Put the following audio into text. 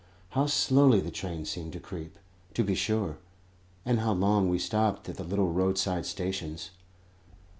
How slowly the train seemed to creep, to be sure; and how long we stopped at the little roadside stations!